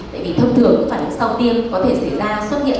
tại vì thông thường có phản ứng sau tiêm có thể xảy ra xuất hiện